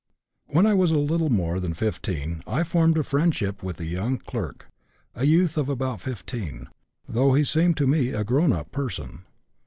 "When I was a little more than 5 I formed a friendship with a young clerk, a youth of about 15, though he seemed to me a grown up person.